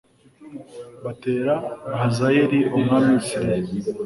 batera hazayeli umwami w i siriya